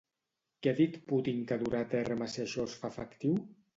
Què ha dit Putin que durà a terme si això es fa efectiu?